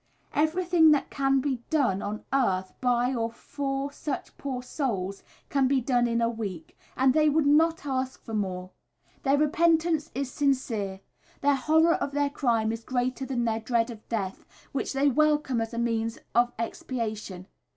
Everything that can be done on earth by or for such poor souls, can be done in a week, and they would not ask for more. Their repentance is sincere, their horror of their crime is greater than their dread of death, which they welcome as a means of expiation.